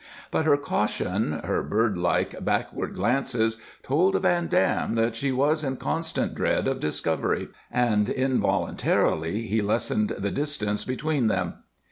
But her caution, her birdlike, backward glances, told Van Dam that she was in constant dread of discovery, and involuntarily he lessened the distance between them.